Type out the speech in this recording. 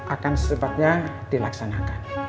akan secepatnya dilaksanakan